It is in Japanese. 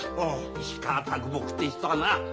石川木って人はな